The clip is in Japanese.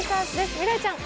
未来ちゃん